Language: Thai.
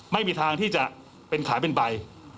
ไม่มีทางที่จะเป็นขายเป็นใบ